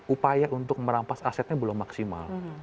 upaya untuk merampas asetnya belum maksimal